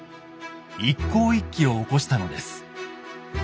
「一向一揆」を起こしたのです。